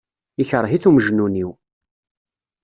Ikṛeh-it umejnun-iw.